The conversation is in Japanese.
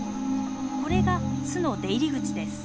これが巣の出入り口です。